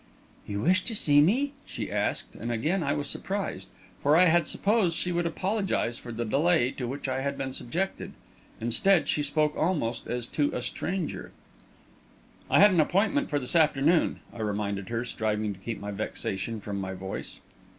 "You wished to see me?" she asked; and again I was surprised, for I had supposed she would apologise for the delay to which I had been subjected. Instead, she spoke almost as to a stranger. "I had an appointment for this afternoon," I reminded her, striving to keep my vexation from my voice.